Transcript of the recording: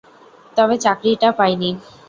তবে চাকরিটা পাইনি।